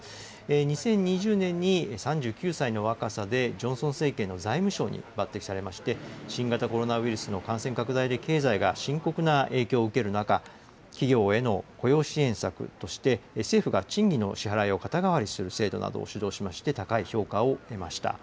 ２０２０年に３９歳の若さでジョンソン政権の財務相に抜てきされまして、新型コロナウイルスの感染拡大で経済が深刻な影響を受ける中、企業への雇用支援策として政府が賃金の支払いを肩代わりする制度などを主導しまして、高い評価を得ました。